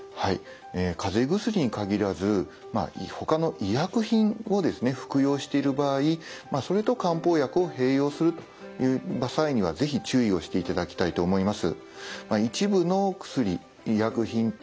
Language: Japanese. かぜ薬に限らずほかの医薬品を服用している場合それと漢方薬を併用するという際には是非注意をしていただきたいと思います。